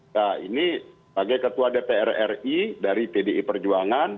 nah ini bagai ketua dpr ri dari tdi perjuangan